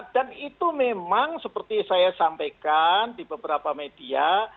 dan itu memang seperti saya sampaikan di beberapa media